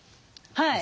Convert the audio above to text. はい。